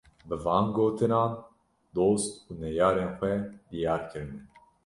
Bi van gotinan dost û neyarên xwe diyar kirine